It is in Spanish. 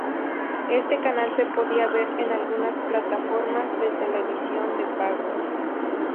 Este canal se podía ver en algunas plataformas de televisión de pago.